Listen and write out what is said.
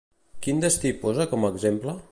Quin destí posa com a exemple?